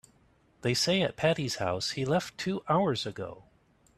They say at Patti's house he left two hours ago.